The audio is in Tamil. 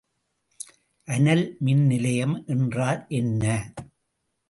அனல் மின்நிலையம் என்றால் என்ன?